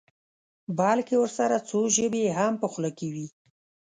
بلکې ورسره څو ژبې یې هم په خوله کې وي.